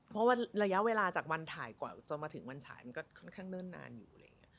เพราะว่าระยะเวลาจากวันถ่ายกว่าจะมาถึงวันฉายมันก็ค่อนข้างเนิ่นนานอยู่อะไรอย่างนี้